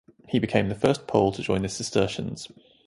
He became the first Pole to join the Cistercians.